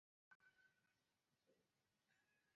卵叶轮草为茜草科拉拉藤属下的一个种。